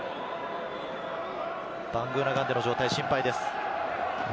バングーナガンデの状態が心配です。